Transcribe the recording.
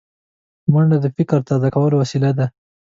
منډه د فکر تازه کولو وسیله ده